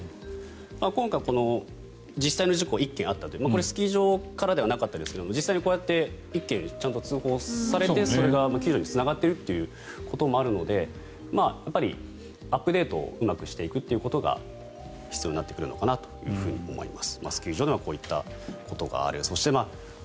今回実際の事故１件あったと実際にスキー場からじゃなかったですが実際にこうやって１件ちゃんと通報されてそれが救助につながっていることもあるのでやっぱりアップデートをうまくしていくことが必要になってくるのかなと思います。